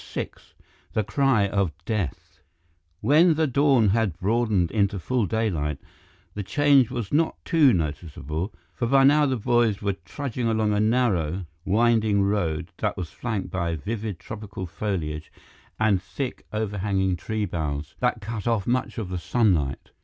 VI The Cry of Death When the dawn had broadened into full daylight, the change was not too noticeable, for by now the boys were trudging along a narrow, winding road that was flanked by vivid tropical foliage and thick, overhanging tree boughs that cut off much of the sunlight.